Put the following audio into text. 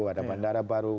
ada bandara baru